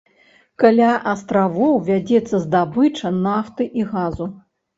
Каля астравоў вядзецца здабыча нафты і газу.